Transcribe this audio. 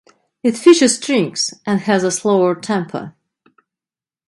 It features strings and has a slower tempo.